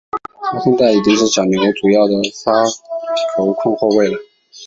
他现在已经是小牛主要的先发控球后卫了。